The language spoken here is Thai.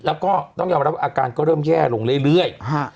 แล้วก็ต้องยอมรับว่าอาการก็เริ่มแย่ลงเรื่อย